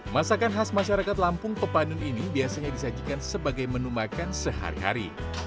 masakan khas masyarakat lampung pepanun ini biasanya disajikan sebagai menu makan sehari hari